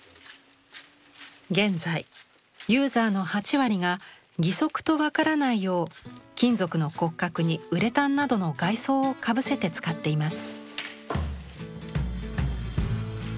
現在ユーザーの８割が義足と分からないよう金属の骨格にウレタンなどの外装をかぶせて使っています。